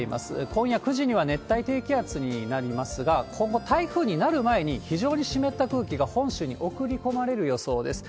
今夜９時には熱帯低気圧になりますが、今後、台風になる前に、非常に湿った空気が本州に送り込まれる予想です。